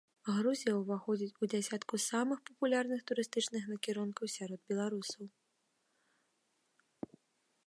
Грузія ўваходзіць ў дзясятку самых папулярных турыстычных накірункаў сярод беларусаў.